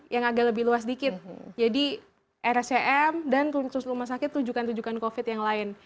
yang agak lebih luas dikit jadi rsjm dan kursus rumah sakit tujukan tujukan kofit yang lain